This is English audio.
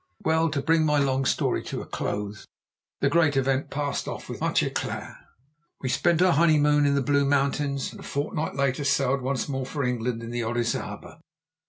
Well, to bring my long story to a close, the Great Event passed off with much éclat. We spent our honeymoon in the Blue Mountains, and a fortnight later sailed once more for England in the Orizaba.